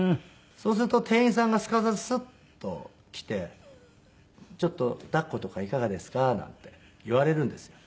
そうすると店員さんがすかさずスッと来て「ちょっと抱っことかいかがですか？」なんて言われるんですよ。